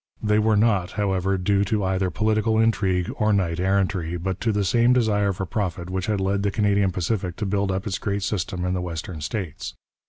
They were not, however, due to either political intrigue or knight errantry, but to the same desire for profit which had led the Canadian Pacific to build up its great system in the western states.